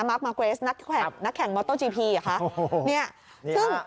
มาร์คมาร์คเกรสนักแข่งนักแข่งมอเติ้ลจีพีอ่ะค่ะโอ้โหเนี่ยนี่ค่ะ